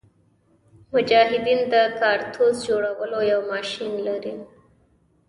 مجاهدین د کارتوس جوړولو یو ماشین لري.